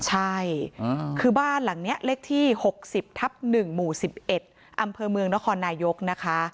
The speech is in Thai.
ใช่คือบ้านหลังนี้เลขที่๖๐ทับ๑หมู่๑๑อำเภอเมืองนครนายกนะคะ